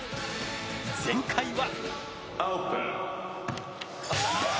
前回は。